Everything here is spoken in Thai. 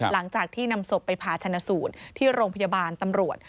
หลังจากที่นำศพไปผ่าชนะสูตรที่โรงพยาบาลตำรวจ